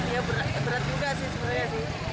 ya berat juga sih sebenarnya sih